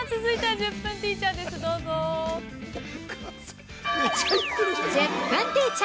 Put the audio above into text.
◆「１０分ティーチャー」。